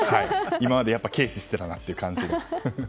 今まで軽視してたなという感じ。